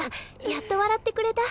やっと笑ってくれた。